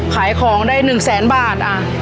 ขายของได้หนึ่งแสนบาท